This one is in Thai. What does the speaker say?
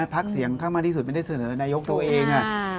พักเสียงข้างมากที่สุดไม่ได้เสนอนายกตัวเอง